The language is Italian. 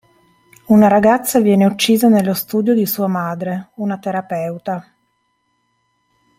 Una ragazza viene uccisa nello studio di sua madre, una terapeuta.